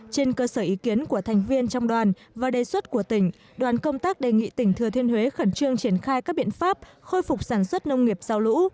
trên cơ sở ý kiến của thành viên trong đoàn và đề xuất của tỉnh đoàn công tác đề nghị tỉnh thừa thiên huế khẩn trương triển khai các biện pháp khôi phục sản xuất nông nghiệp sau lũ